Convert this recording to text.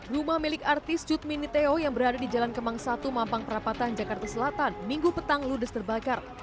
rumah milik artis cut mini theo yang berada di jalan kemang satu mampang perapatan jakarta selatan minggu petang ludes terbakar